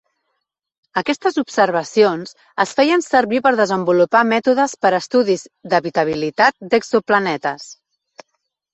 Aquestes observacions es feien servir per desenvolupar mètodes per a estudis d'habitabilitat d'exoplanetes.